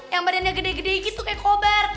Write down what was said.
yang badannya gede gede gitu kayak kobar